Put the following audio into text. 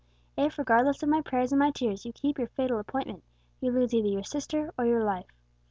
If, regardless of my prayers and my tears, you keep your fatal appointment, you lose either your sister or your life.